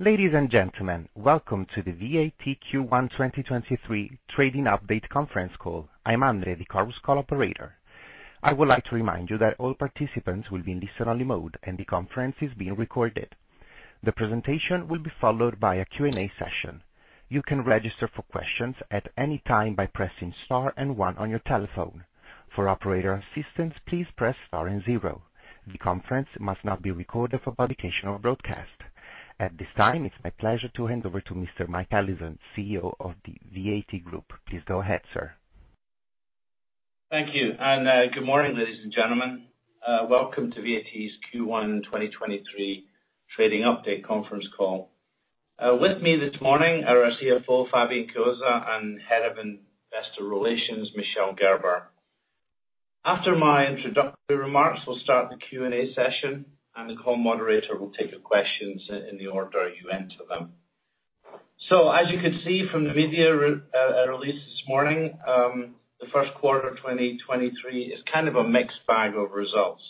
Ladies and gentlemen, welcome to the VAT Q1 2023 Trading Update Conference Call. I'm Andre, the Chorus Call operator. I would like to remind you that all participants will be in listen-only mode, and the conference is being recorded. The presentation will be followed by a Q&A session. You can register for questions at any time by pressing star and one on your telephone. For operator assistance, please press star and zero. The conference must not be recorded for publication or broadcast. At this time, it's my pleasure to hand over to Mr. Mike Allison, CEO of the VAT Group. Please go ahead, sir. Thank you. Good morning, ladies and gentlemen. Welcome to VAT's Q1 2023 trading update conference call. With me this morning are our CFO, Fabian Cozza, and Head of Investor Relations, Michel R. Gerber. After my introductory remarks, we'll start the Q&A session. The call moderator will take your questions in the order you enter them. As you can see from the media release this morning, the first quarter of 2023 is kind of a mixed bag of results.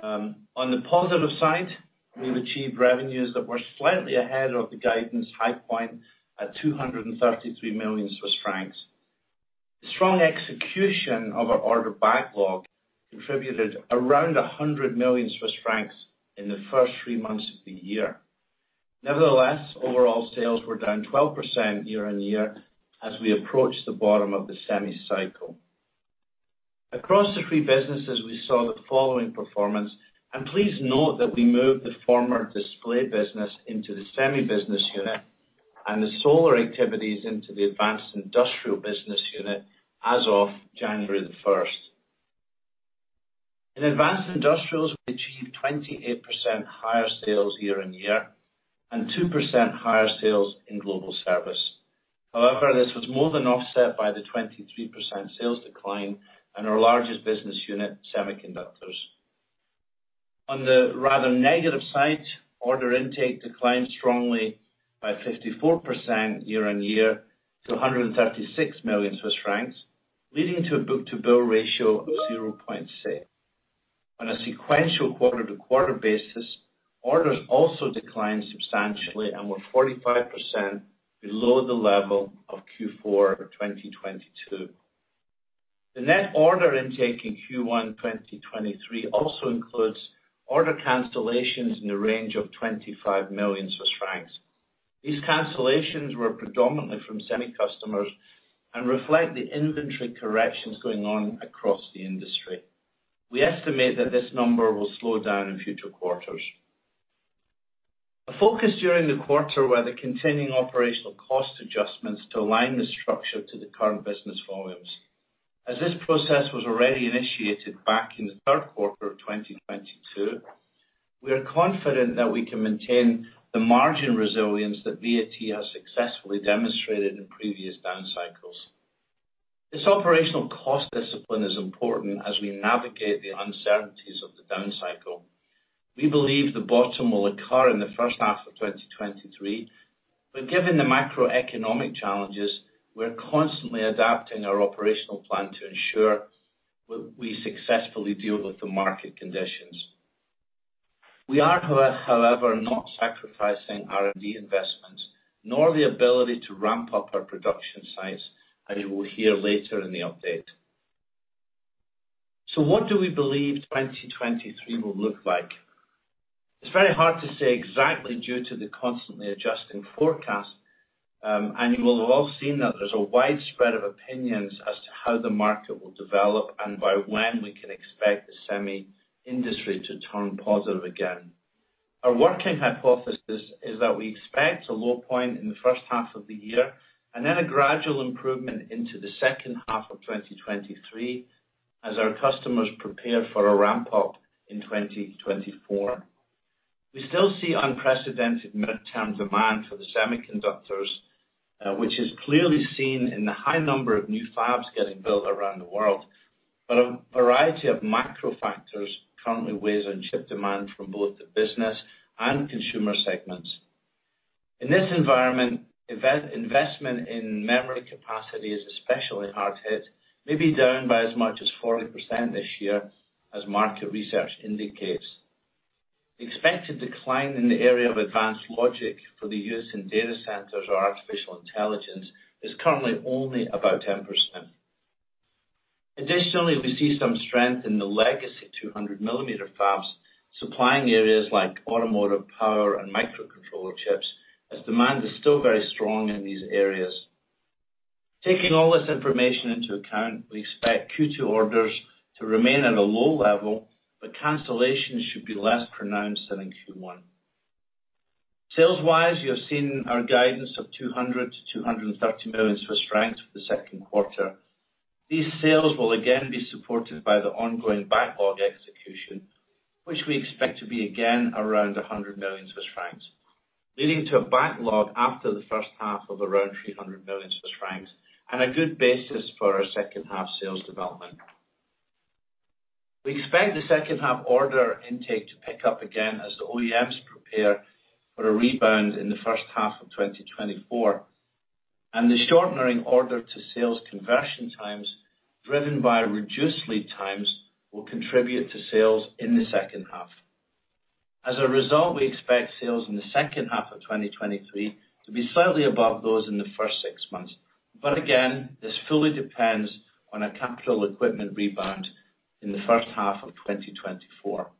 On the positive side, we've achieved revenues that were slightly ahead of the guidance high point at 233 million Swiss francs. The strong execution of our order backlog contributed around 100 million Swiss francs in the first three months of the year. Nevertheless, overall sales were down 12% year-on-year as we approached the bottom of the semi cycle. Across the 3 businesses, we saw the following performance. Please note that we moved the former display business into the Semiconductors business unit and the solar activities into the Advanced Industrials business unit as of January 1st. In Advanced Industrials, we achieved 28% higher sales year-on-year and 2% higher sales in Global Service. This was more than offset by the 23% sales decline in our largest business unit, Semiconductors. On the rather negative side, order intake declined strongly by 54% year-on-year to 136 million Swiss francs, leading to a book-to-bill ratio of 0.6. On a sequential quarter-to-quarter basis, orders also declined substantially and were 45% below the level of Q4 2022. The net order intake in Q1 2023 also includes order cancellations in the range of 25 million Swiss francs. These cancellations were predominantly from semi customers and reflect the inventory corrections going on across the industry. We estimate that this number will slow down in future quarters. A focus during the quarter were the continuing operational cost adjustments to align the structure to the current business volumes. As this process was already initiated back in the third quarter of 2022, we are confident that we can maintain the margin resilience that VAT has successfully demonstrated in previous down cycles. This operational cost discipline is important as we navigate the uncertainties of the down cycle. We believe the bottom will occur in the first half of 2023, but given the macroeconomic challenges, we're constantly adapting our operational plan to ensure we successfully deal with the market conditions. We are however, not sacrificing R&D investments, nor the ability to ramp up our production sites, as you will hear later in the update. What do we believe 2023 will look like? It's very hard to say exactly due to the constantly adjusting forecast, you will have all seen that there's a wide spread of opinions as to how the market will develop and by when we can expect the semi industry to turn positive again. Our working hypothesis is that we expect a low point in the first half of the year and then a gradual improvement into the second half of 2023 as our customers prepare for a ramp up in 2024. We still see unprecedented midterm demand for the semiconductors, which is clearly seen in the high number of new fabs getting built around the world. A variety of macro factors currently weighs on chip demand from both the business and consumer segments. In this environment, investment in memory capacity is especially hard hit, maybe down by as much as 40% this year as market research indicates. The expected decline in the area of advanced logic for the use in data centers or artificial intelligence is currently only about 10%. Additionally, we see some strength in the legacy 200mm fabs supplying areas like automotive power and microcontroller chips as demand is still very strong in these areas. Taking all this information into account, we expect Q2 orders to remain at a low level, cancellations should be less pronounced than in Q1. Sales-wise, you have seen our guidance of 200 million-230 million Swiss francs for the second quarter. These sales will again be supported by the ongoing backlog execution, which we expect to be again around 100 million Swiss francs, leading to a backlog after the first half of around 300 million Swiss francs and a good basis for our second half sales development. We expect the second half order intake to pick up again as the OEMs prepare for a rebound in the first half of 2024. The shortening order to sales conversion times driven by reduced lead times will contribute to sales in the second half. As a result, we expect sales in the second half of 2023 to be slightly above those in the first six months. Again, this fully depends on a capital equipment rebound in the first half of 2024.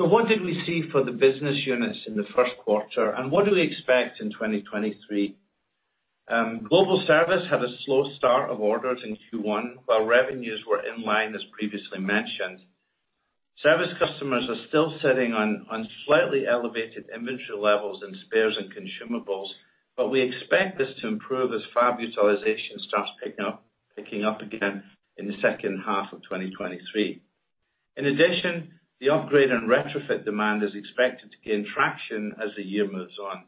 What did we see for the business units in the first quarter, and what do we expect in 2023? Global Service had a slow start of orders in Q1 while revenues were in line as previously mentioned. Service customers are still sitting on slightly elevated inventory levels in spares and consumables, but we expect this to improve as fab utilization starts picking up again in the second half of 2023. In addition, the upgrade and retrofit demand is expected to gain traction as the year moves on.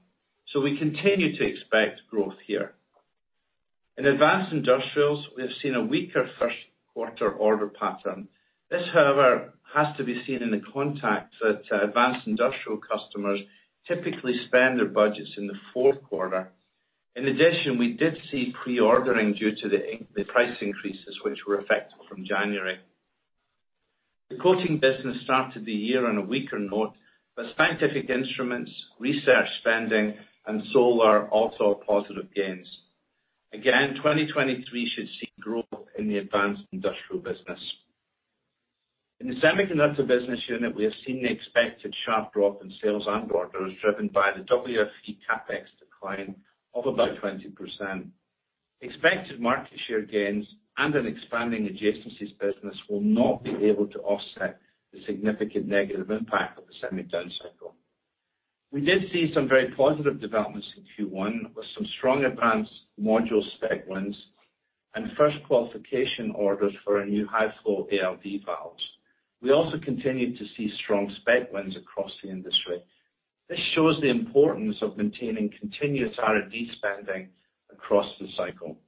We continue to expect growth here. In Advanced Industrials, we have seen a weaker first quarter order pattern. This, however, has to be seen in the context that Advanced Industrials customers typically spend their budgets in the fourth quarter. In addition, we did see pre-ordering due to the price increases which were effective from January. The coating business started the year on a weaker note. Scientific instruments, research spending, and solar also have positive gains. Again, 2023 should see growth in the Advanced Industrials business. In the Semiconductors business unit, we have seen the expected sharp drop in sales and orders driven by the WFE CapEx decline of about 20%. Expected market share gains and an expanding adjacencies business will not be able to offset the significant negative impact of the semi down cycle. We did see some very positive developments in Q1 with some strong advanced module spec wins and first qualification orders for our new high flow ALD valves. We also continued to see strong spec wins across the industry. This shows the importance of maintaining continuous R&D spending across the cycle.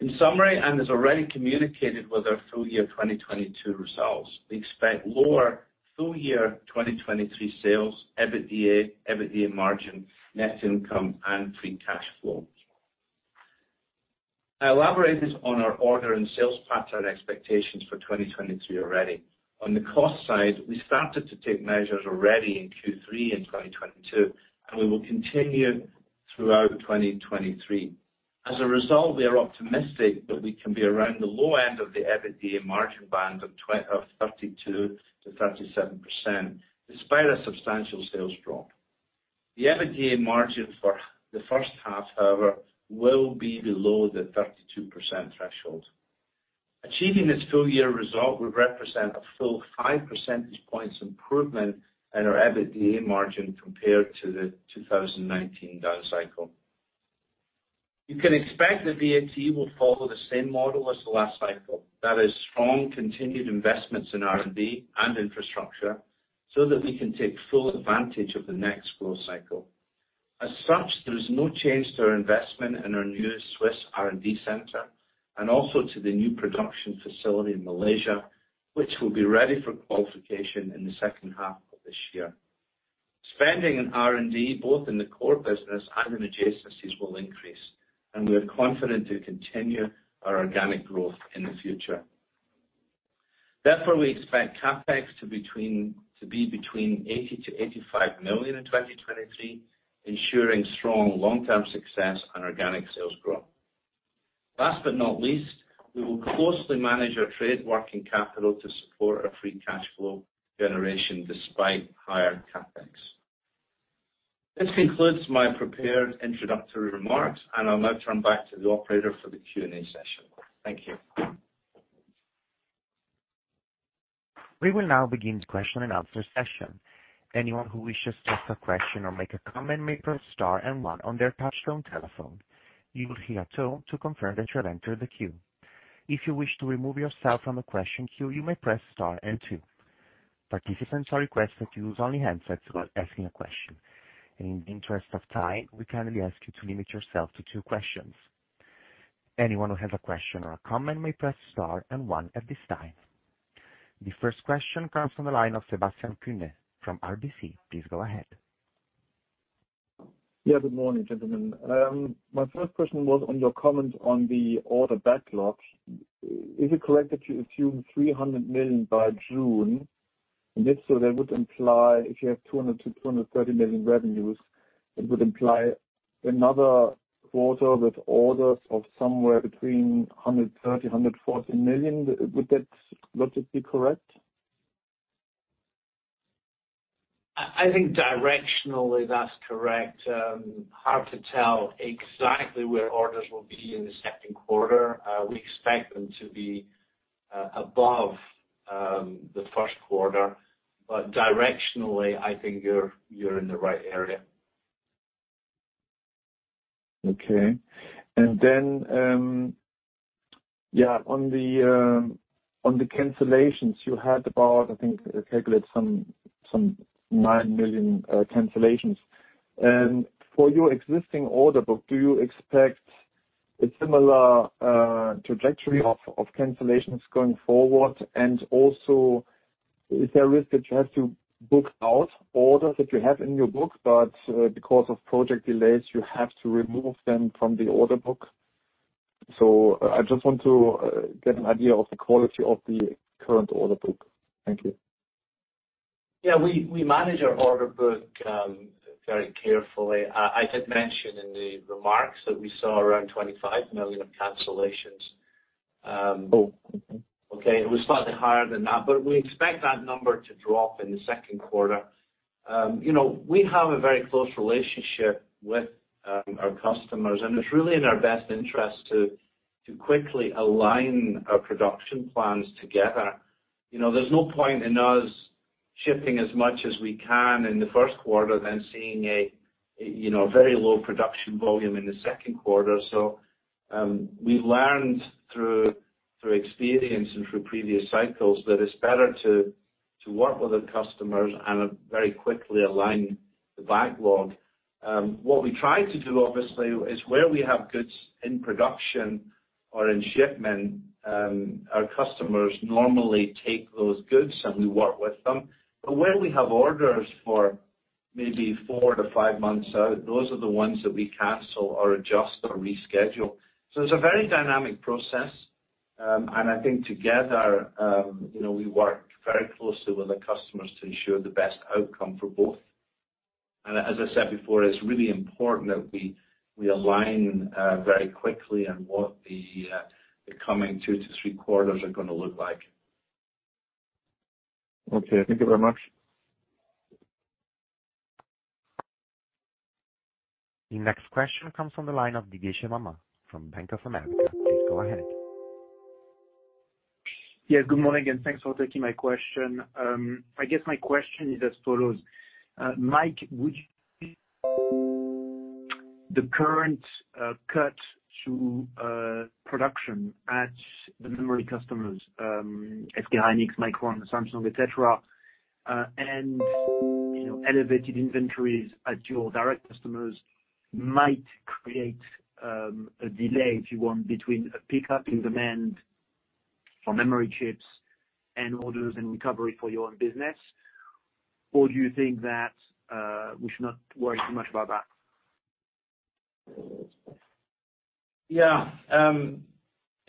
In summary, as already communicated with our full year 2022 results, we expect lower full year 2023 sales, EBITDA margin, net income, and free cash flow. I elaborated on our order and sales pattern expectations for 2023 already. On the cost side, we started to take measures already in Q3 in 2022, and we will continue throughout 2023. As a result, we are optimistic that we can be around the low end of the EBITDA margin band of 32%-37% despite a substantial sales drop. The EBITDA margin for the first half, however, will be below the 32% threshold. Achieving this full year result would represent a full 5 percentage points improvement in our EBITDA margin compared to the 2019 down cycle. You can expect that VAT will follow the same model as the last cycle. That is strong continued investments in R&D and infrastructure so that we can take full advantage of the next growth cycle. As such, there is no change to our investment in our new Swiss R&D center and also to the new production facility in Malaysia, which will be ready for qualification in the second half of this year. Spending in R&D, both in the core business and in adjacencies will increase, and we are confident to continue our organic growth in the future. Therefore, we expect CapEx to be between 80 million to 85 million in 2023, ensuring strong long-term success and organic sales growth. Last but not least, we will closely manage our trade working capital to support our free cash flow generation despite higher CapEx. This concludes my prepared introductory remarks, and I'll now turn back to the operator for the Q&A session. Thank you. We will now begin the question and answer session. Anyone who wishes to ask a question or make a comment may press star and one on their touchtone telephone. You will hear a tone to confirm that you have entered the queue. If you wish to remove yourself from the question queue, you may press star and two. Participants are requested to use only handsets while asking a question. In the interest of time, we kindly ask you to limit yourself to two questions. Anyone who has a question or a comment may press star and one at this time. The first question comes from the line of Sebastian Kuenne from RBC. Please go ahead. Yeah, good morning, gentlemen. My first question was on your comment on the order backlog. Is it correct that you assume 300 million by June? If so, that would imply if you have 200 million to 230 million revenues, it would imply another quarter with orders of somewhere between 130 million-140 million. Would that logically correct? I think directionally that's correct. Hard to tell exactly where orders will be in the second quarter. We expect them to be above the first quarter. Directionally, I think you're in the right area. Okay. On the cancellations you had about I think some 9 million cancellations. For your existing order book, do you expect a similar trajectory of cancellations going forward. Also, is there a risk that you have to book out orders that you have in your book, but because of project delays, you have to remove them from the order book? I just want to get an idea of the quality of the current order book. Thank you. Yeah. We manage our order book, very carefully. I had mentioned in the remarks that we saw around 25 million of cancellations. Oh, okay. Okay. It was slightly higher than that. We expect that number to drop in the second quarter. You know, we have a very close relationship with our customers. It's really in our best interest to quickly align our production plans together. You know, there's no point in us shipping as much as we can in the first quarter, then seeing a, you know, very low production volume in the second quarter. We've learned through experience and through previous cycles that it's better to work with our customers and very quickly align the backlog. What we try to do obviously is where we have goods in production or in shipment, our customers normally take those goods and we work with them. Where we have orders for maybe 4 to 5 months out, those are the ones that we cancel or adjust or reschedule. It's a very dynamic process. I think together, you know, we work very closely with our customers to ensure the best outcome for both. As I said before, it's really important that we align very quickly on what the coming 2 to 3 quarters are gonna look like. Okay. Thank you very much. The next question comes from the line of Divyesh Mama from Bank of America. Please go ahead. Good morning, thanks for taking my question. I guess my question is as follows. Mike, would the current cut to production at the memory customers, SK hynix, Micron, Samsung, et cetera, and, you know, elevated inventories at your direct customers might create a delay, if you want, between a pickup in demand for memory chips and orders and recovery for your own business. Do you think that we should not worry too much about that?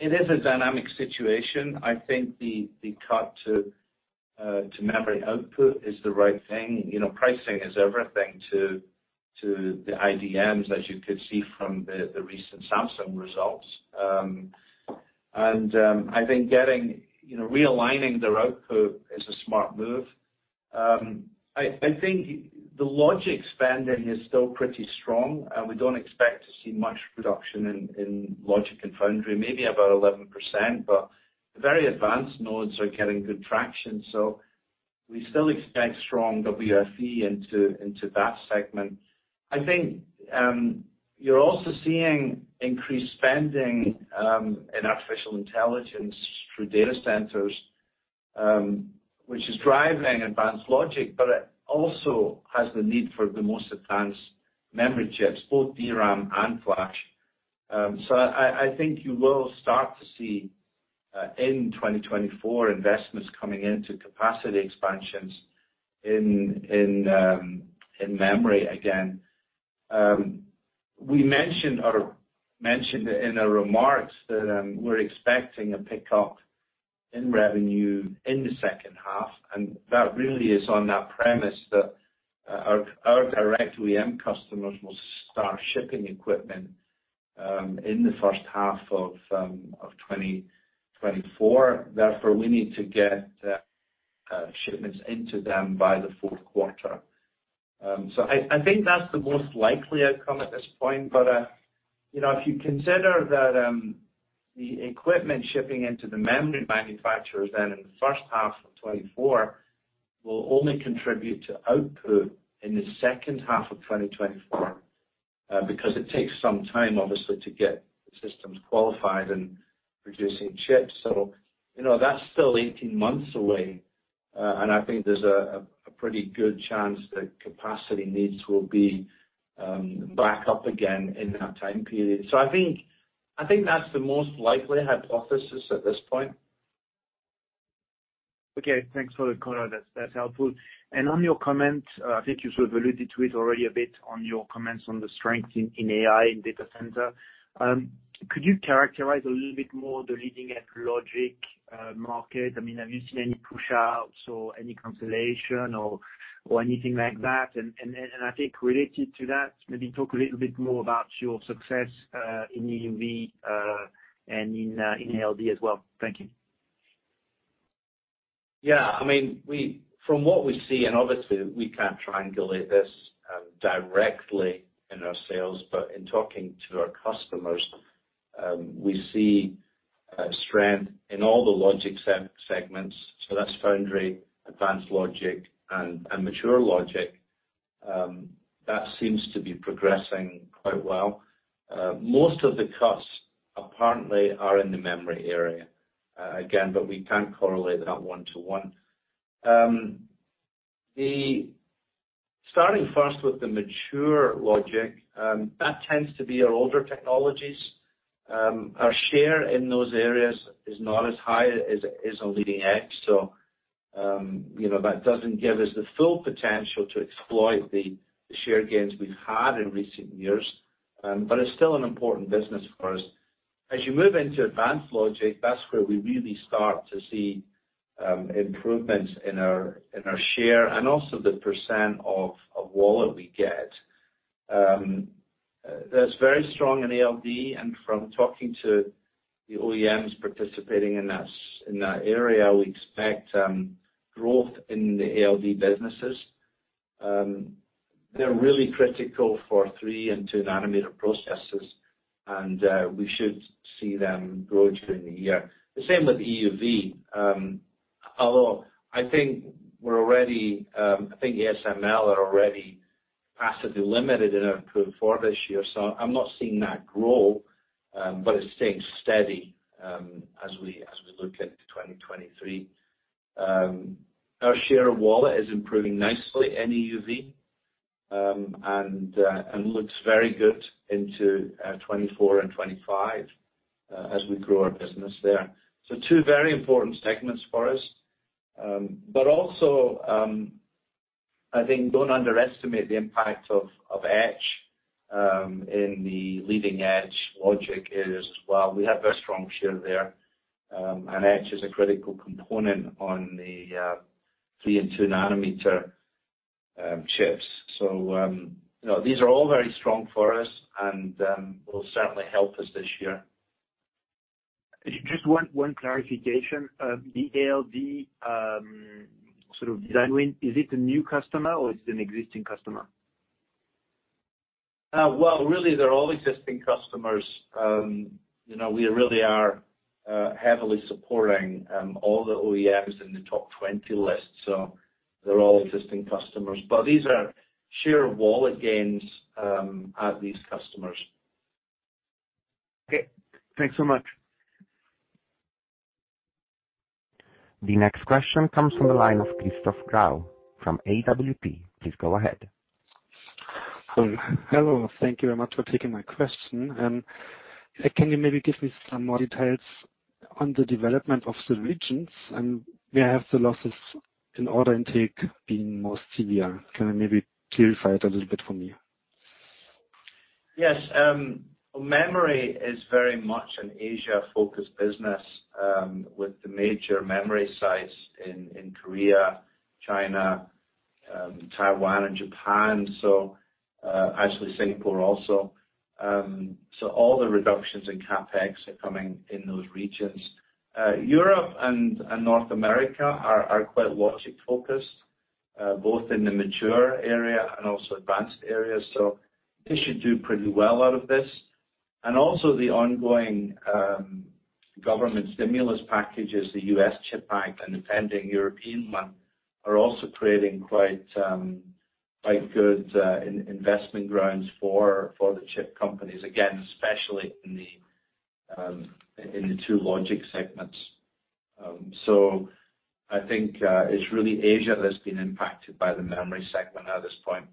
It is a dynamic situation. I think the cut to memory output is the right thing. You know, pricing is everything to the IDMs, as you could see from the recent Samsung results. I think getting, you know, realigning their output is a smart move. I think the logic spending is still pretty strong. We don't expect to see much reduction in logic and foundry, maybe about 11%, but the very advanced nodes are getting good traction, so we still expect strong WFE into that segment. I think, you're also seeing increased spending in artificial intelligence through data centers, which is driving advanced logic, but it also has the need for the most advanced memory chips, both DRAM and flash. I think you will start to see in 2024, investments coming into capacity expansions in memory again. We mentioned in our remarks that we're expecting a pickup in revenue in the second half, and that really is on that premise that our direct OEM customers will start shipping equipment in the first half of 2024. Therefore, we need to get shipments into them by the fourth quarter. I think that's the most likely outcome at this point. You know, if you consider that the equipment shipping into the memory manufacturers then in the first half of 2024 will only contribute to output in the second half of 2024, because it takes some time, obviously, to get the systems qualified and producing chips. You know, that's still 18 months away. I think there's a pretty good chance that capacity needs will be back up again in that time period. I think that's the most likely hypothesis at this point. Okay. Thanks for the color. That's helpful. On your comment, I think you sort of alluded to it already a bit on your comments on the strength in AI, in data center. Could you characterize a little bit more the leading edge logic market? I mean, have you seen any pushouts or any cancellation or anything like that? Then I think related to that, maybe talk a little bit more about your success in EUV and in ALD as well. Thank you. Yeah. I mean, from what we see, and obviously we can't triangulate this directly in our sales, but in talking to our customers, we see strength in all the logic segments, so that's foundry, advanced logic, and mature logic. That seems to be progressing quite well. Most of the cuts apparently are in the memory area again, but we can't correlate that one to one. Starting first with the mature logic, that tends to be our older technologies. Our share in those areas is not as high as a leading edge. You know, that doesn't give us the full potential to exploit the share gains we've had in recent years. It's still an important business for us. As you move into advanced logic, that's where we really start to see improvements in our share and also the percent of wallet we get. That's very strong in ALD, and from talking to the OEMs participating in that area, we expect growth in the ALD businesses. They're really critical for 3 and 2 nanometer processes and we should see them grow during the year. The same with EUV. Although I think we're already ASML are already capacity limited in improved forward this year, so I'm not seeing that grow, but it's staying steady as we look into 2023. Our share of wallet is improving nicely in EUV, and looks very good into 2024 and 2025 as we grow our business there. Two very important segments for us. But also, I think don't underestimate the impact of etch in the leading-edge logic areas as well. We have very strong share there, and etch is a critical component on the 3 and 2 nanometer chips. You know, these are all very strong for us and will certainly help us this year. Just one clarification. The ALD sort of design win, is it a new customer or is it an existing customer? Well, really, they're all existing customers. you know, we really are heavily supporting all the OEMs in the top 20 list. They're all existing customers. These are share wallet gains at these customers. Okay. Thanks so much. The next question comes from the line of Christoph Grau from AWP. Please go ahead. Hello. Thank you very much for taking my question. Can you maybe give me some more details on the development of the regions and where have the losses in order intake been most severe? Can you maybe clarify it a little bit for me? Yes. memory is very much an Asia-focused business, with the major memory sites in Korea, China, Taiwan and Japan. Actually, Singapore also. All the reductions in CapEx are coming in those regions. Europe and North America are quite logic focused, both in the mature area and also advanced areas, so they should do pretty well out of this. Also the ongoing government stimulus packages, the and the U.S. CHIPS Act pending European one, are also creating quite good, in-investment grounds for the chip companies, again, especially in the 2 logic segments. I think it's really Asia that's been impacted by the memory segment at this point.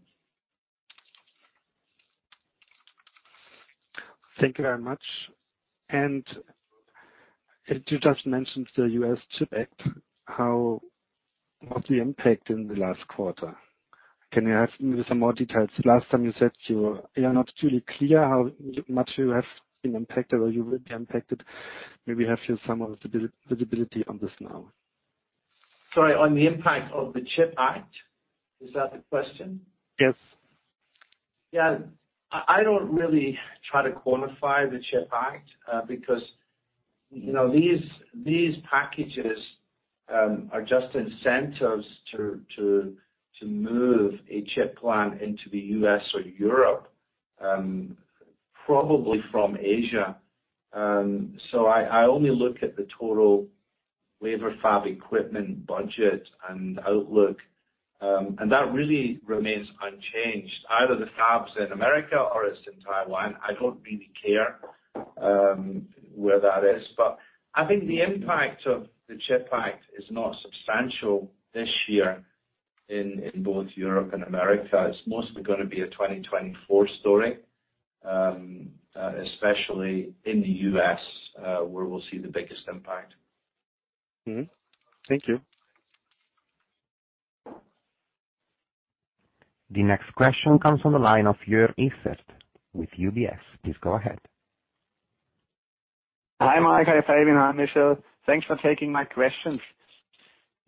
Thank you very much. You just mentioned the U.S. CHIPS Act. How was the impact in the last quarter? Can you have maybe some more details? Last time you said you are not truly clear how much you have been impacted or you will be impacted. Maybe you have here some of the visibility on this now. Sorry, on the impact of the Chip Act? Is that the question? Yes. Yeah. I don't really try to quantify the Chip Act, because, you know, these packages are just incentives to move a chip plant into the U.S. or Europe, probably from Asia. I only look at the total labor fab equipment budget and outlook. That really remains unchanged. Either the fab's in America or it's in Taiwan. I don't really care where that is. I think the impact of the Chip Act is not substantial this year in both Europe and America. It's mostly gonna be a 2024 story, especially in the U.S., where we'll see the biggest impact. Mm-hmm. Thank you. The next question comes from the line of with UBS Jörn Iffert. Please go ahead. Hi, Mike. Hi, Fabien. Hi, Michel. Thanks for taking my questions.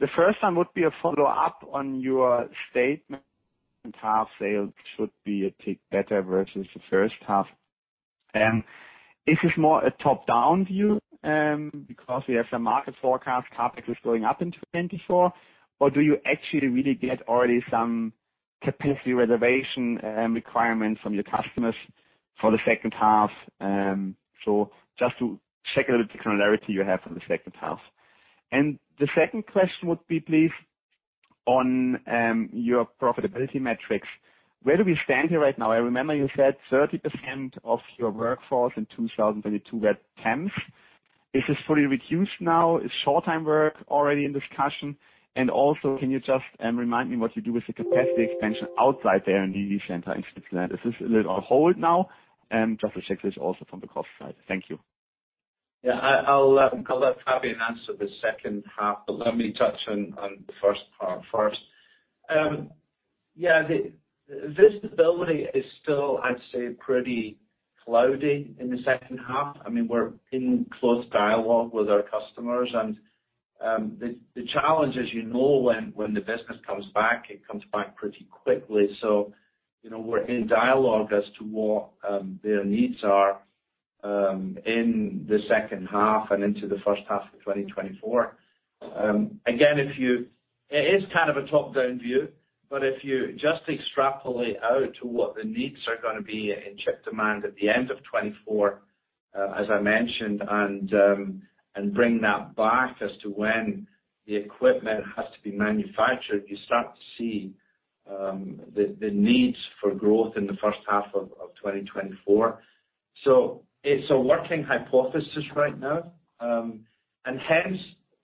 The first one would be a follow-up on your statement, half sales should be a tick better versus the first half. Is this more a top-down view, because we have some market forecast CapEx is going up in 2024, or do you actually really get already some capacity reservation, requirements from your customers for the second half? Just to check a little bit the clarity you have for the second half. The second question would be, please, on your profitability metrics. Where do we stand here right now? I remember you said 30% of your workforce in 2022 were temps. Is this fully reduced now? Is short time work already in discussion? Also, can you just, remind me what you do with the capacity expansion outside there in the center in Switzerland? Is this on hold now? Just to check this also from the cost side. Thank you. I'll let Fabian answer the second half. Let me touch on the first part first. The visibility is still, I'd say, pretty cloudy in the second half. I mean, we're in close dialogue with our customers, and the challenge as you know, when the business comes back, it comes back pretty quickly. You know, we're in dialogue as to what their needs are in the second half and into the first half of 2024. Again, it is kind of a top-down view, but if you just extrapolate out to what the needs are gonna be in chip demand at the end of 2024, as I mentioned, and bring that back as to when the equipment has to be manufactured, you start to see the needs for growth in the first half of 2024. It's a working hypothesis right now. Hence,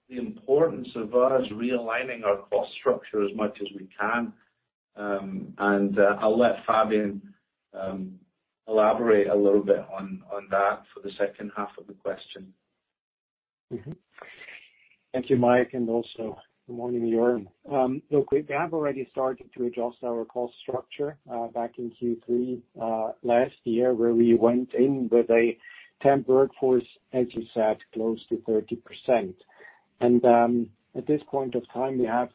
the importance of us realigning our cost structure as much as we can. I'll let Fabian elaborate a little bit on that for the second half of the question. Thank you, Mike, and also good morning, Jörn. Look, we have already started to adjust our cost structure back in Q3 last year, where we went in with a temp workforce, as you said, close to 30%. At this point of time, we have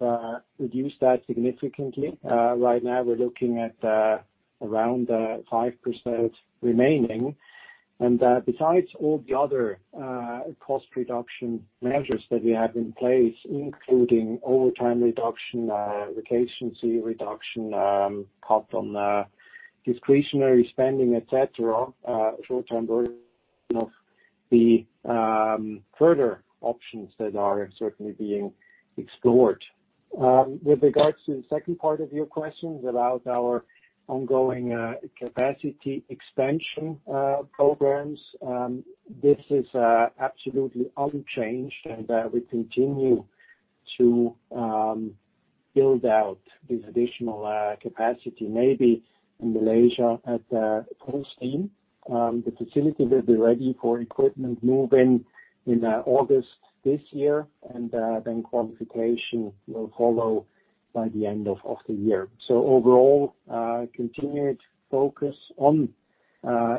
reduced that significantly. Right now we're looking at around 5% remaining. Besides all the other cost reduction measures that we have in place, including overtime reduction, vacancy reduction, cut on discretionary spending, et cetera, short-term version of the further options that are certainly being explored. With regards to the second part of your question about our ongoing capacity expansion programs, this is absolutely unchanged, and we continue to build out this additional capacity, maybe in Malaysia at full steam. The facility will be ready for equipment move in in August this year, and then qualification will follow by the end of the year. Overall, continued focus on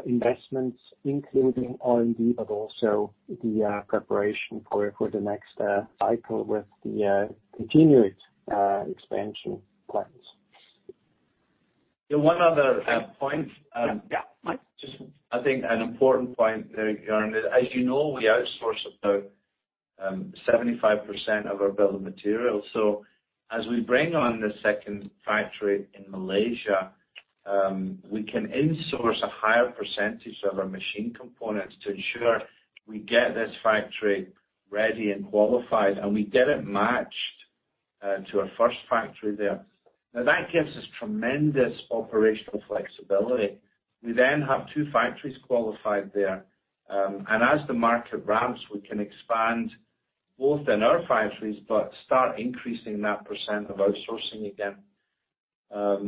investments including R&D, but also the preparation for the next cycle with the continued expansion plans. One other point. Yeah. Mike. I think an important point there, Jorn. As you know, we outsource about 75% of our bill of materials. As we bring on the second factory in Malaysia, we can insource a higher percentage of our machine components to ensure we get this factory ready and qualified, and we get it matched to our first factory there. That gives us tremendous operational flexibility. We then have two factories qualified there. As the market ramps, we can expand both in our factories, but start increasing that percent of outsourcing again.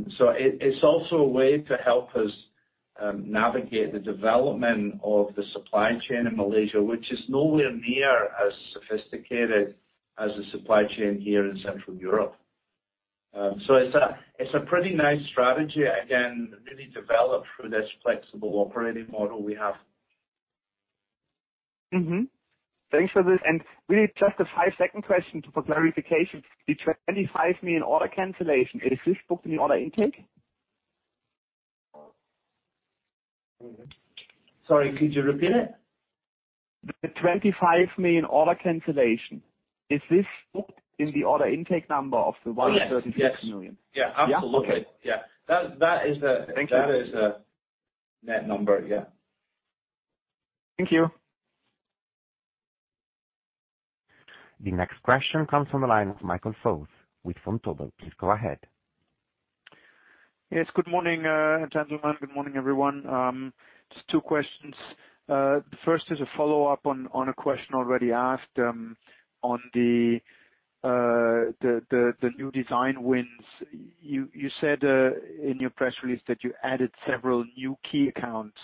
It's also a way to help us navigate the development of the supply chain in Malaysia, which is nowhere near as sophisticated as the supply chain here in Central Europe. It's a pretty nice strategy, again, really developed through this flexible operating model we have. Mm-hmm. Thanks for this. Really just a five-second question for clarification. The 25 million order cancellation, is this booked in the order intake? Sorry, could you repeat it? The 25 million order cancellation, is this booked in the order intake number of the 136 million? Oh, yes. Yes. Yeah. Yeah? Okay. Absolutely. Yeah. That is. Thank you. That is the net number. Yeah. Thank you. The next question comes from the line of Michael Foeth with Vontobel. Please go ahead. Yes. Good morning, gentlemen. Good morning, everyone. Just two questions. The first is a follow-up on a question already asked on the new design wins. You said in your press release that you added several new key accounts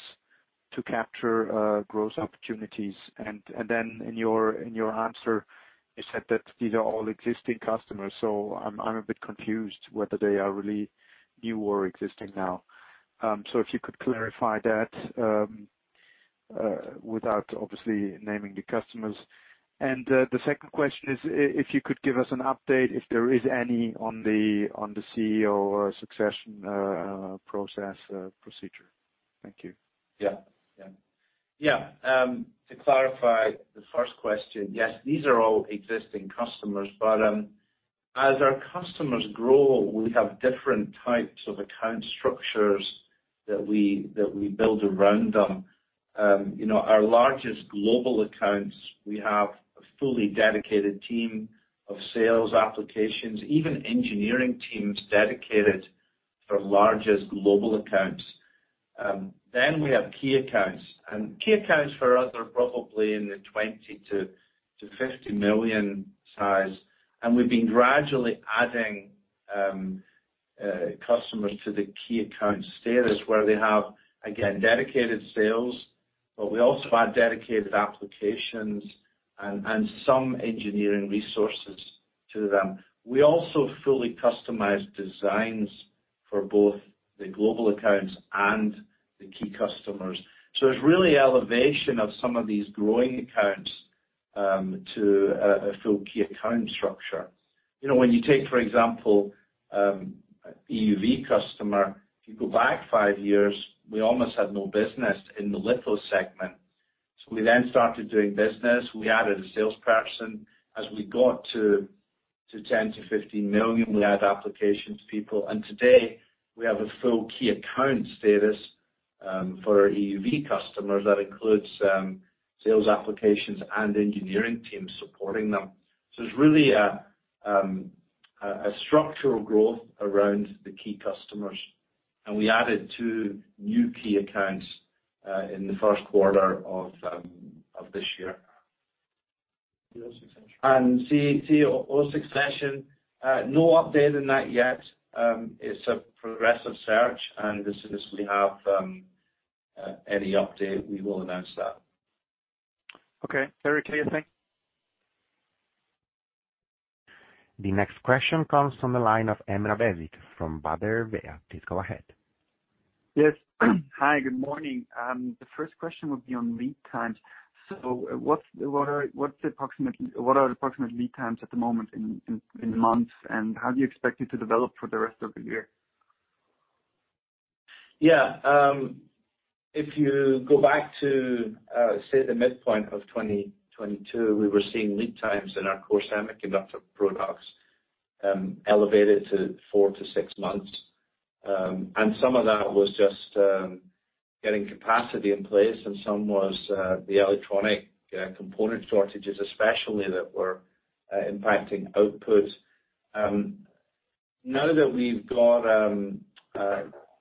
to capture growth opportunities. Then in your answer, you said that these are all existing customers. I'm a bit confused whether they are really new or existing now. If you could clarify that without obviously naming the customers. The second question is if you could give us an update, if there is any, on the CEO or succession process procedure. Thank you. Yeah. Yeah. Yeah. To clarify the first question, yes, these are all existing customers, but as our customers grow, we have different types of account structures that we build around them. You know, our largest global accounts, we have a fully dedicated team of sales applications, even engineering teams dedicated for largest global accounts. We have key accounts, and key accounts for us are probably in the 20 million-50 million size. We've been gradually adding customers to the key account status where they have, again, dedicated sales, but we also add dedicated applications and some engineering resources to them. We also fully customize designs for both the global accounts and the key customers. It's really elevation of some of these growing accounts, to a full key account structure. You know, when you take, for example, EUV customer, if you go back five years, we almost had no business in the litho segment. We then started doing business. We added a salesperson. As we got to 10 million-15 million, we add applications people. Today, we have a full key account status for our EUV customers. That includes sales applications and engineering teams supporting them. It's really a structural growth around the key customers. We added two new key accounts in the first quarter of this year. CEO succession. CEO succession. No update on that yet. It's a progressive search, and as soon as we have any update, we will announce that. Okay. Eric, anything? The next question comes from the line of Emre Nebez from Berenberg. Please go ahead. Yes. Hi, good morning. The first question would be on lead times. What are the approximate lead times at the moment in months, and how do you expect it to develop for the rest of the year? Yeah. If you go back to say the midpoint of 2022, we were seeing lead times in our core semiconductor products elevated to 4-6 months. Some of that was just getting capacity in place and some was the electronic component shortages especially that were impacting output. Now that we've got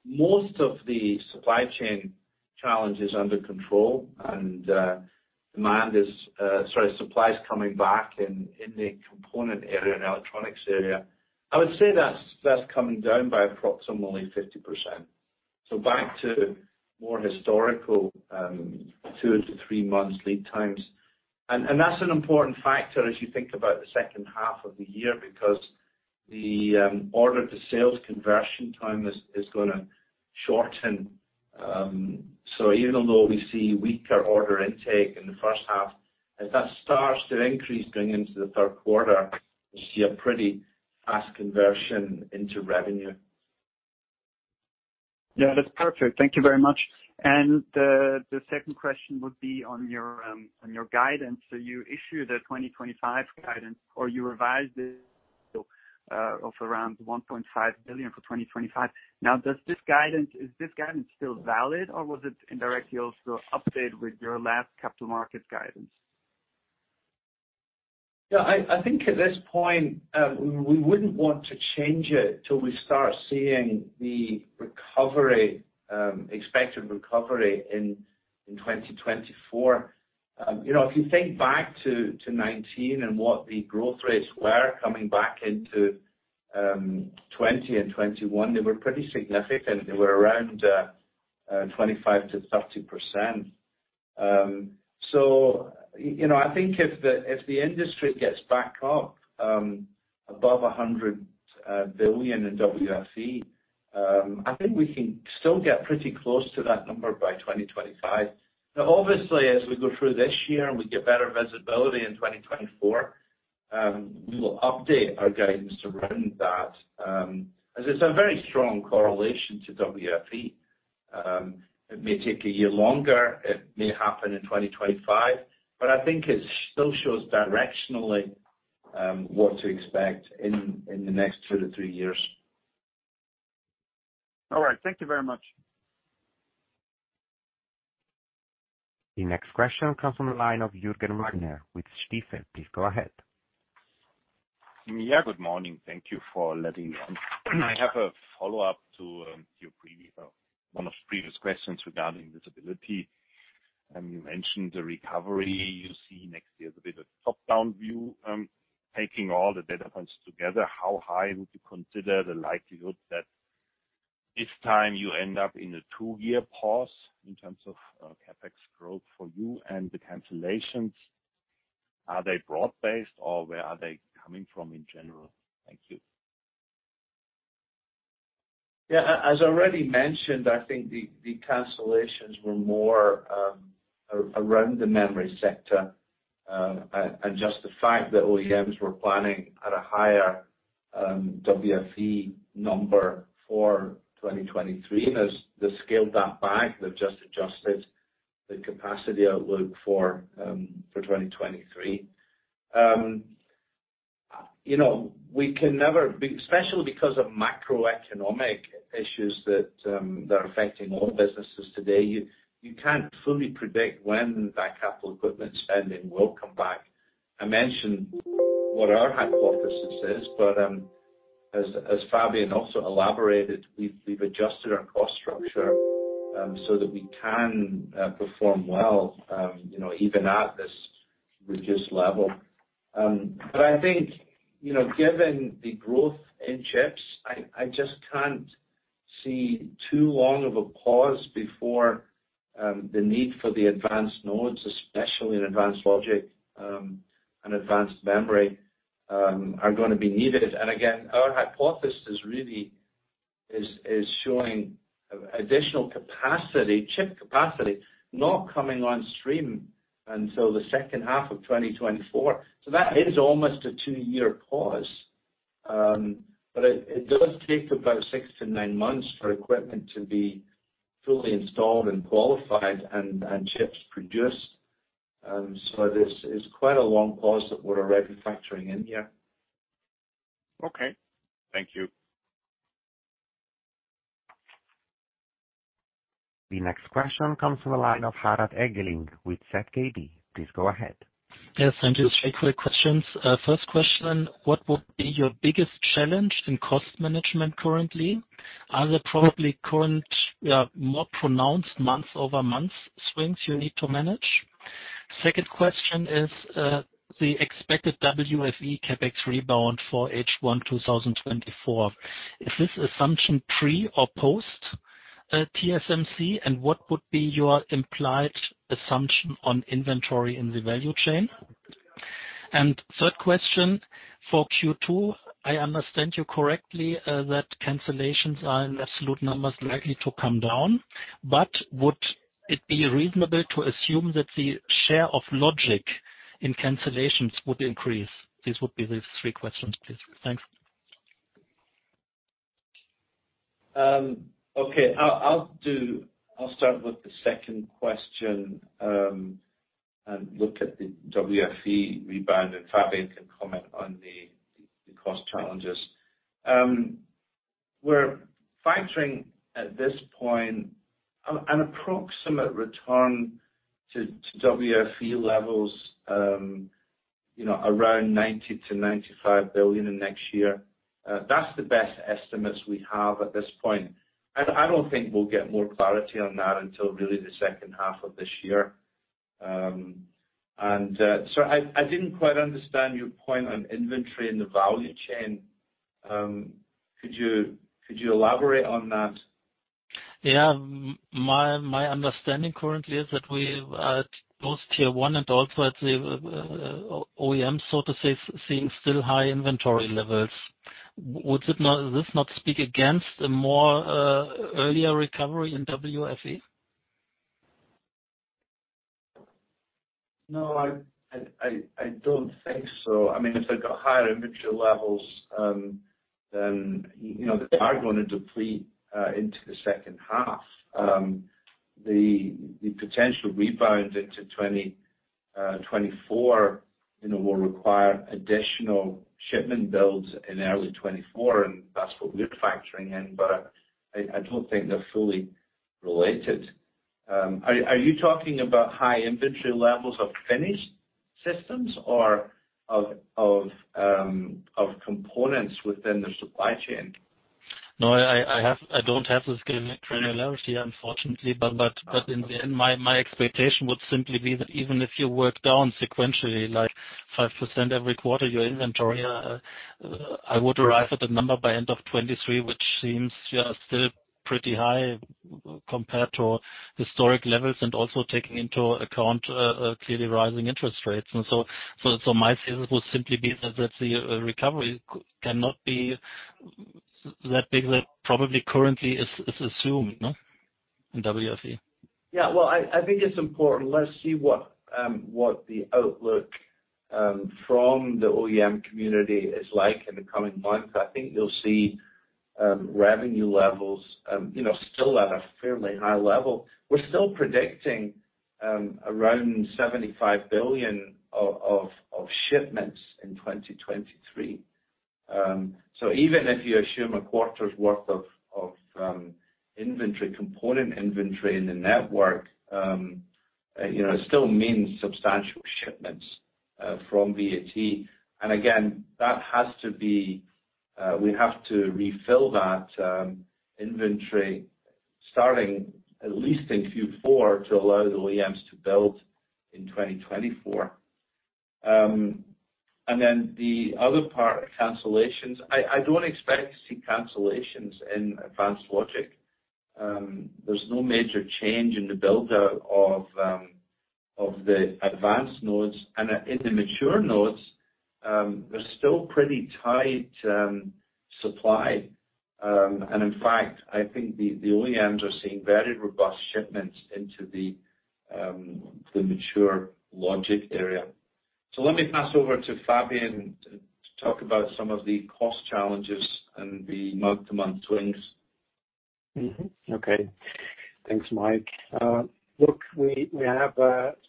most of the supply chain challenges under control and demand is sorry, supply is coming back in the component area and electronics area, I would say that's coming down by approximately 50%. Back to more historical 2-3 months lead times. That's an important factor as you think about the second half of the year because the order to sales conversion time is gonna shorten. Even though we see weaker order intake in the first half, as that starts to increase going into the third quarter, you see a pretty fast conversion into revenue. Yeah, that's perfect. Thank you very much. The second question would be on your guidance. You issued a 2025 guidance or you revised it of around 1.5 billion for 2025. Is this guidance still valid, or was it indirectly also updated with your last capital markets guidance? Yeah, I think at this point, we wouldn't want to change it till we start seeing the recovery, expected recovery in 2024. you know, if you think back to 2019 and what the growth rates were coming back into 2020 and 2021, they were pretty significant. They were around 25%-30%. you know, I think if the industry gets back up above $100 billion in WFE, I think we can still get pretty close to that number by 2025. Obviously as we go through this year and we get better visibility in 2024, we will update our guidance around that, as it's a very strong correlation to WFE. It may take a year longer, it may happen in 2025, but I think it still shows directionally, what to expect in the next two to three years. All right. Thank you very much. The next question comes from the line of Jürgen Wagner with Stifel. Please go ahead. Good morning. Thank you for letting me on. I have a follow-up to one of the previous questions regarding visibility. You mentioned the recovery you see next year is a bit of a top-down view. Taking all the data points together, how high would you consider the likelihood that this time you end up in a 2-year pause in terms of CapEx growth for you and the cancellations, are they broad-based, or where are they coming from in general? Thank you. Yeah. As I already mentioned, I think the cancellations were more around the memory sector, and just the fact that OEMs were planning at a higher WFE number for 2023. As they scaled that back, they've just adjusted the capacity outlook for 2023. You know, we can never be especially because of macroeconomic issues that are affecting all businesses today. You can't fully predict when that capital equipment spending will come back. I mentioned what our hypothesis is. As Fabian also elaborated, we've adjusted our cost structure so that we can perform well, you know, even at this reduced level. I think, you know, given the growth in chips, I just can't see too long of a pause before the need for the advanced nodes, especially in advanced logic, and advanced memory, are gonna be needed. Again, our hypothesis really is showing additional capacity, chip capacity not coming on stream until the second half of 2024. That is almost a 2-year pause. It does take about 6 to 9 months for equipment to be fully installed and qualified and chips produced. This is quite a long pause that we're already factoring in here. Okay. Thank you. The next question comes from the line ofHarald Eggeling with SEB. Please go ahead. Yes, thank you. Three quick questions. First question, what would be your biggest challenge in cost management currently? Are there probably current, more pronounced month-over-month swings you need to manage? Second question is, the expected WFE CapEx rebound for H1 2024. Is this assumption pre or post TSMC? What would be your implied assumption on inventory in the value chain? Third question for Q2, I understand you correctly, that cancellations are in absolute numbers likely to come down, but would it be reasonable to assume that the share of logic in cancellations would increase? This would be the three questions, please. Thanks. Okay. I'll start with the second question, look at the WFE rebound, Fabian can comment on the cost challenges. We're factoring at this point an approximate return to WFE levels, you know, around $90 billion-$95 billion next year. That's the best estimates we have at this point. I don't think we'll get more clarity on that until really the second half of this year. I didn't quite understand your point on inventory in the value chain. Could you elaborate on that? Yeah. My understanding currently is that we've, both tier one and also at the OEM, so to say, seeing still high inventory levels. This not speak against a more, earlier recovery in WFE? I don't think so. I mean, if they've got higher inventory levels, you know, they are gonna deplete into the second half. The potential rebound into 2024, you know, will require additional shipment builds in early 2024, that's what we're factoring in, I don't think they're fully related. Are you talking about high inventory levels of finished systems or of components within the supply chain? No, I don't have this granularity, unfortunately. In the end, my expectation would simply be that even if you work down sequentially, like 5% every quarter, your inventory, I would arrive at a number by end of 2023, which seems, yeah, still pretty high compared to historic levels and also taking into account, clearly rising interest rates. My thesis would simply be that the recovery cannot be that big that probably currently is assumed, no, in WFE. I think it's important. Let's see what the outlook from the OEM community is like in the coming months. I think you'll see revenue levels, you know, still at a fairly high level. We're still predicting around $75 billion of shipments in 2023. Even if you assume a quarter's worth of inventory, component inventory in the network, you know, it still means substantial shipments from VAT. That has to be, we have to refill that inventory starting at least in Q4 to allow the OEMs to build in 2024. The other part, cancellations. I don't expect to see cancellations in advanced logic. There's no major change in the build-out of the advanced nodes. In the mature nodes, there's still pretty tight supply. In fact, I think the OEMs are seeing very robust shipments into the mature logic area. Let me pass over to Fabian to talk about some of the cost challenges and the month-to-month swings. Okay. Thanks, Mike. Look, we have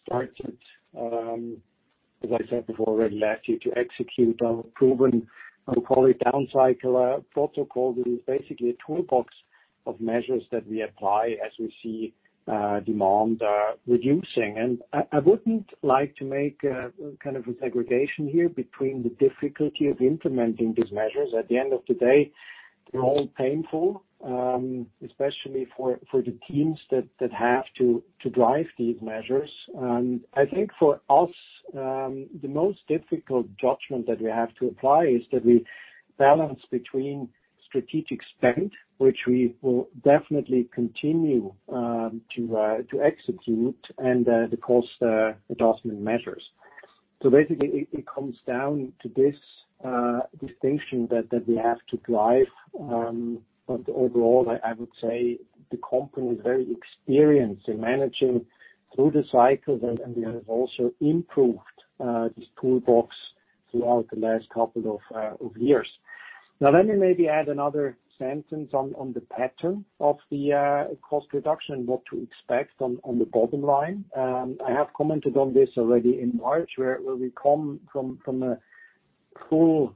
started, as I said before already last year, to execute our proven, I'll call it downcycle, protocol. That is basically a toolbox Of measures that we apply as we see demand reducing. I wouldn't like to make kind of a segregation here between the difficulty of implementing these measures. At the end of the day, they're all painful, especially for the teams that have to drive these measures. I think for us, the most difficult judgment that we have to apply is that we balance between strategic spend, which we will definitely continue to execute, and the cost adjustment measures. Basically it comes down to this distinction that we have to drive. Overall, I would say the company is very experienced in managing through the cycles, and we have also improved this toolbox throughout the last couple of years. Now, let me maybe add another sentence on the pattern of the cost reduction and what to expect on the bottom line. I have commented on this already in March, where we come from a full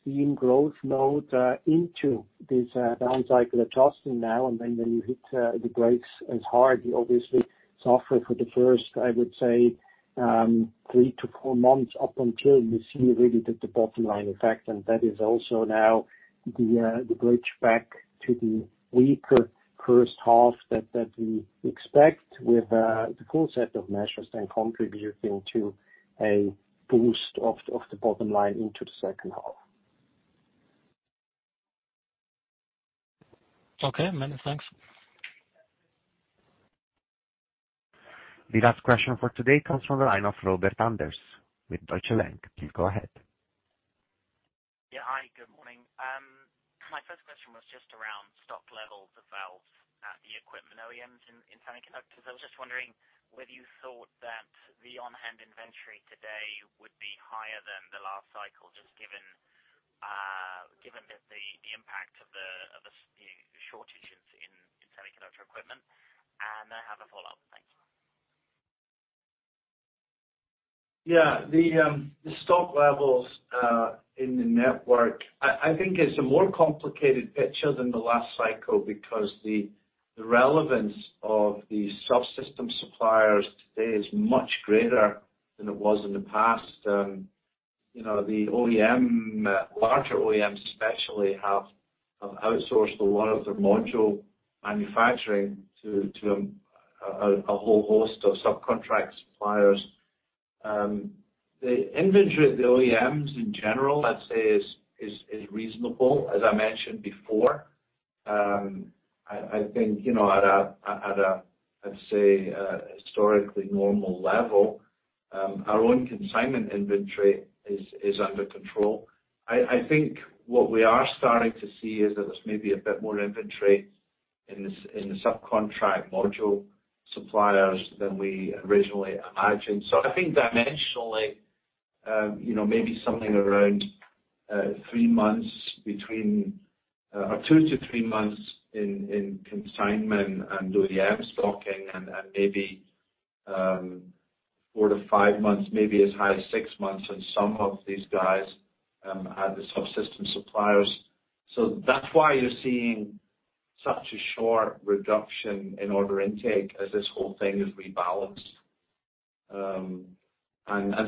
steam growth mode into this downcycle adjustment now, and then when you hit the brakes as hard, you obviously suffer for the first, I would say, 3-4 months, up until you see really the bottom line effect. That is also now the bridge back to the weaker first half that we expect with the concept of measures then contributing to a boost of the bottom line into the second half. Okay, many thanks. The last question for today comes from the line of Robert Sanders with Deutsche Bank. Please go ahead. Yeah. Hi, good morning. My first question was just around stock levels of valves at the equipment OEMs in semiconductors. I was just wondering whether you thought that the on-hand inventory today would be higher than the last cycle, just given the impact of the shortages in semiconductor equipment. I have a follow-up. Thank you. The stock levels in the network I think is a more complicated picture than the last cycle because the relevance of the subsystem suppliers today is much greater than it was in the past. You know, the OEM, larger OEMs especially, have outsourced a lot of their module manufacturing to a whole host of subcontract suppliers. The inventory at the OEMs in general, I'd say is reasonable, as I mentioned before. I think, you know, at a, I'd say a historically normal level, our own consignment inventory is under control. I think what we are starting to see is that there's maybe a bit more inventory in the subcontract module suppliers than we originally imagined. I think dimensionally, you know, maybe something around 3 months between or 2-3 months in consignment and OEM stocking and maybe 4-5 months, maybe as high as 6 months in some of these guys at the subsystem suppliers. That's why you're seeing such a sharp reduction in order intake as this whole thing is rebalanced.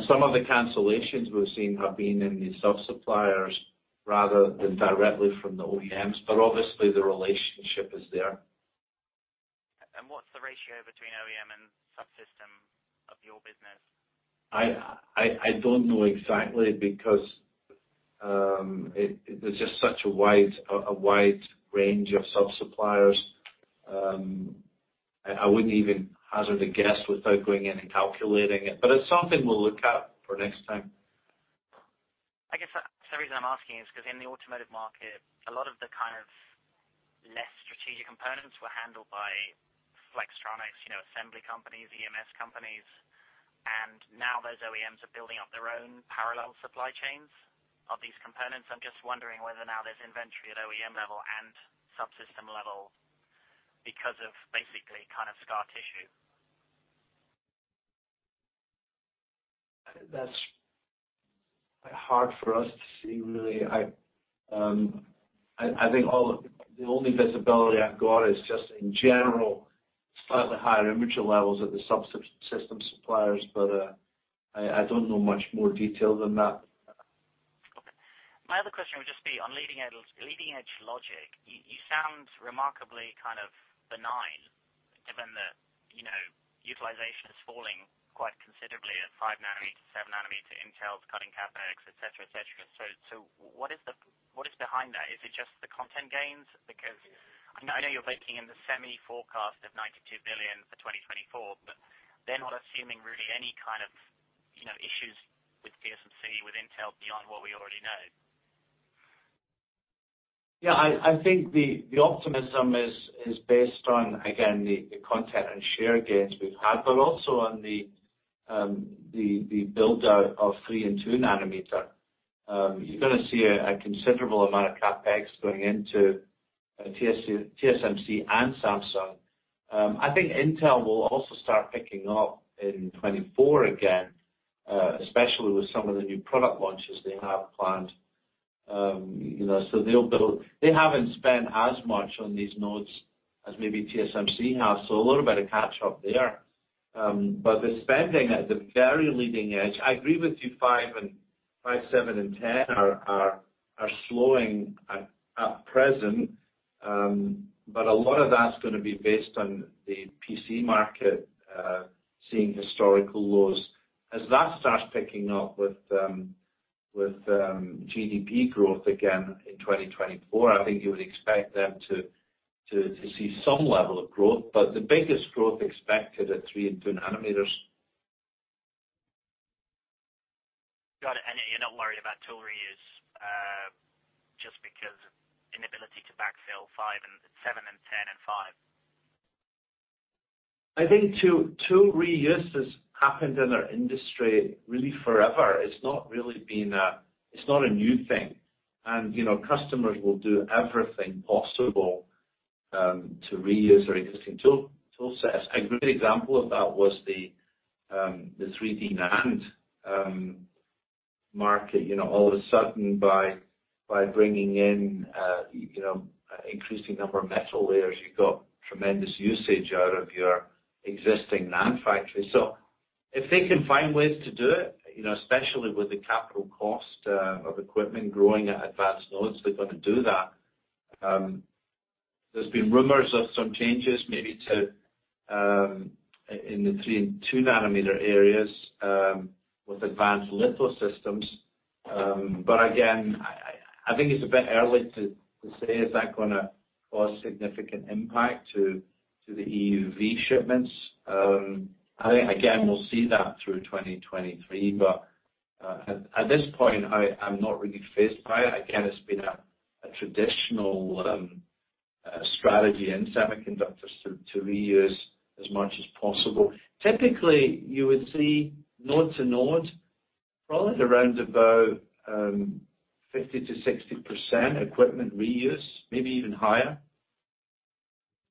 Some of the cancellations we've seen have been in the sub-suppliers rather than directly from the OEMs. Obviously, the relationship is there. What's the ratio between OEM and subsystem of your business? I don't know exactly because, there's just such a wide range of sub-suppliers. I wouldn't even hazard a guess without going in and calculating it. It's something we'll look at for next time. I guess the reason I'm asking is 'cause in the automotive market, a lot of the kind of less strategic components were handled by Flextronics, you know, assembly companies, EMS companies, and now those OEMs are building up their own parallel supply chains of these components. I'm just wondering whether now there's inventory at OEM level and subsystem level because of basically kind of scar tissue. That's hard for us to see, really. I think the only visibility I've got is just in general, slightly higher inventory levels at the subsystem suppliers. I don't know much more detail than that. Okay. My other question would just be on Leading Edge, Leading Edge logic. You sound remarkably kind of benign given the, you know, utilization is falling quite considerably at 5nm, 7nm, Intel's cutting CapEx, et cetera, et cetera. What is behind that? Is it just the content gains? I know you're baking in the semi forecast of $92 billion for 2024, they're not assuming really any kind of, you know, issues with TSMC, with Intel beyond what we already know. Yeah. I think the optimism is based on, again, the content and share gains we've had, but also on the build out of 3 and 2nm. You're gonna see a considerable amount of CapEx going into TSMC and Samsung. I think Intel will also start picking up in 2024 again, especially with some of the new product launches they have planned. You know, they haven't spent as much on these nodes as maybe TSMC has, so a little bit of catch-up there. The spending at the very leading edge, I agree with you, 5, 7, and 10 are slowing at present. A lot of that's gonna be based on the PC market seeing historical lows. As that starts picking up with GDP growth again in 2024, I think you would expect them to see some level of growth. The biggest growth expected at 3nm and 2nm. Got it. You're not worried about tool reuse, just because of inability to backfill 7 and 10 and 5? I think tool reuse has happened in our industry really forever. It's not really been a new thing. You know, customers will do everything possible to reuse their existing tool sets. A good example of that was the 3D NAND market. You know, all of a sudden by bringing in, you know, increasing number of metal layers, you got tremendous usage out of your existing NAND factory. If they can find ways to do it, you know, especially with the capital cost of equipment growing at advanced nodes, they're gonna do that. There's been rumors of some changes maybe to in the 3nm and 2nm areas with advanced litho systems. Again, I think it's a bit early to say, is that gonna cause significant impact to the EUV shipments. I think again, we'll see that through 2023, at this point I'm not really phased by it. Again, it's been a traditional strategy in Semiconductors to reuse as much as possible. Typically, you would see node to node, probably around about 50%-60% equipment reuse, maybe even higher.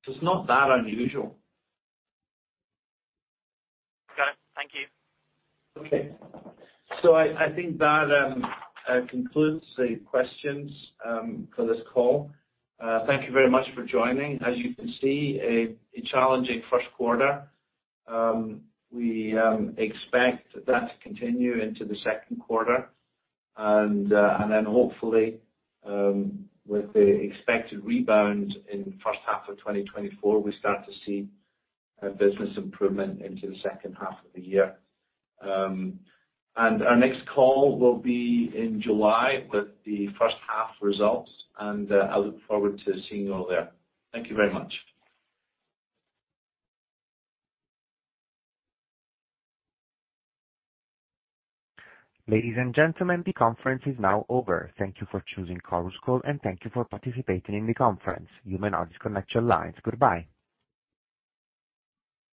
It's not that unusual. Got it. Thank you. Okay. I think that concludes the questions for this call. Thank you very much for joining. As you can see, a challenging first quarter. We expect that to continue into the second quarter and then hopefully, with the expected rebound in first half of 2024, we start to see business improvement into the second half of the year. Our next call will be in July with the first half results, I look forward to seeing you all there. Thank you very much. Ladies and gentlemen, the conference is now over. Thank you for choosing Chorus Call, and thank you for participating in the conference. You may now disconnect your lines. Goodbye.